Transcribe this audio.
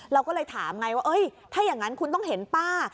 เราก็เลยถามไงว่าถ้าอย่างนั้นคุณต้องเห็นป้า